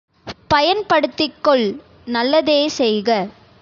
பயன்படுத்திக்கொள் நல்லதே செய்க.